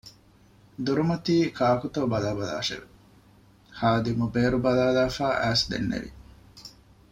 ދޮރުމަތީކާކުތޯ ބަލައިބަލާށެވެ! ޚާދިމު ބޭރުބަލައިލައިފައި އައިސް ދެންނެވި